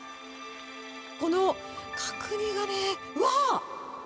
この角煮がね、うわっ。